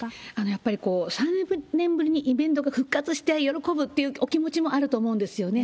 やっぱり３年ぶりにイベントが復活して喜ぶというお気持ちもあると思うんですよね。